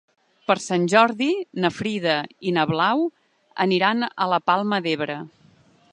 Per Sant Jordi na Frida i na Blau aniran a la Palma d'Ebre.